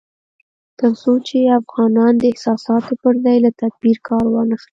تر څو چې افغانان د احساساتو پر ځای له تدبير کار وانخلي